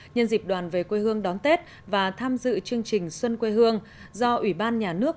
nhân dịp đoàn về quê hương đón tết và tham dự chương trình xuân quê hương do ủy ban nhà nước